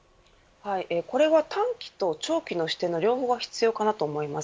これは短期と長期の視点の両方が必要かなと思います。